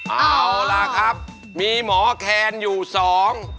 เอาล่ะครับมีหมอแคนอยู่สอง